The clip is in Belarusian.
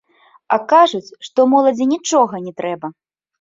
А кажуць, што моладзі нічога не трэба!